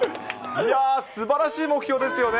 いやー、すばらしい目標ですよね。